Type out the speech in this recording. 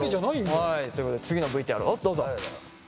はいということで次のＶＴＲをどうぞ。